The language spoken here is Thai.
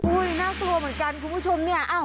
อุ๊ยน่ากลัวเหมือนกันคุณผู้ชม